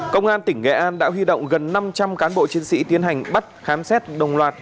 công an tỉnh nghệ an đã huy động gần năm trăm linh cán bộ chiến sĩ tiến hành bắt khám xét đồng loạt